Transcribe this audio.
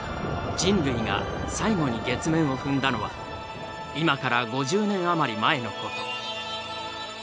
人類が最後に月面を踏んだのは今から５０年余り前のこと。